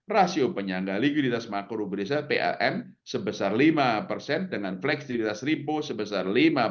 rasio penyangga likuiditas makro rekrutasi plm sebesar lima dengan fleksibilitas ripo sebesar lima